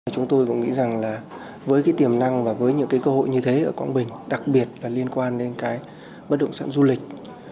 chúng tôi cũng nghĩ rằng là với cái tiềm năng và với những cái cơ hội như thế ở quảng bình đặc biệt và liên quan đến cái bất động sản du lịch